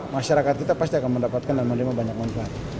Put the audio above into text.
masyarakat kita pasti akan mendapatkan dan menerima banyak manfaat